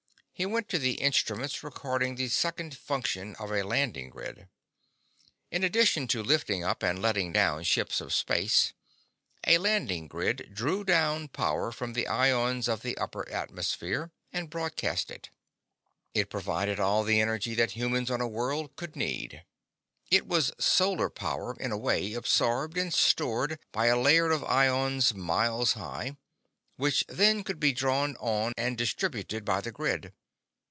He went to the instruments recording the second function of a landing grid. In addition to lifting up and letting down ships of space, a landing grid drew down power from the ions of the upper atmosphere and broadcast it. It provided all the energy that humans on a world could need. It was solar power, in a way, absorbed and stored by a layer of ions miles high, which then could be drawn on and distributed by the grid.